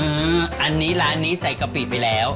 อุ๊ยอันนี้ล้านนี้ใส่กระปริดไปแล้ว